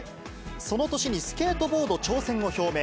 その年にスケートボード挑戦を表明。